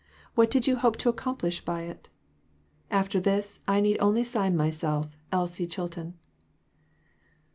What did you hope to accomplish by it ? After this, I need only sign myself, ELSIE CHILTON.